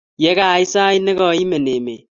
Ye kait sait ne kaimen emet